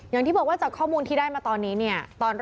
อย่างที่บอกว่าข้อมูลที่ได้มาตอนนี้